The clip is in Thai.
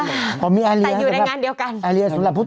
อยู่ในงานเดียวกัน